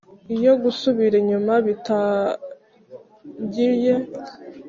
iyo gusubira inyuma bitangiye.